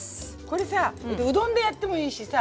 これさうどんでやってもいいしさ。